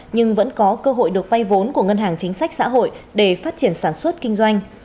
nhưng vẫn có cơ hội được vay vốn của ngân hàng chính sách xã hội để phát triển sản xuất kinh doanh